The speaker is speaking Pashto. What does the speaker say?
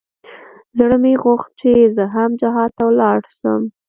زړه مې غوښت چې زه هم جهاد ته ولاړ سم.